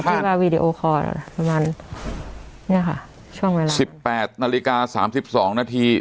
พี่ว่าประมาณเนี้ยค่ะช่วงเวลาสิบแปดนาฬิกาสามสิบสองนาที